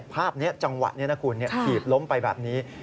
ภาพนี้จังหวะนี้นะคุณถีบล้มไปแบบนี้